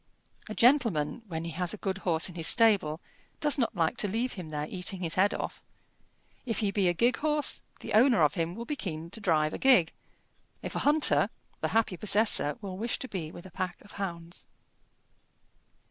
A gentleman, when he has a good horse in his stable, does not like to leave him there eating his head off. If he be a gig horse, the owner of him will be keen to drive a gig; if a hunter, the happy possessor will wish to be with a pack of hounds.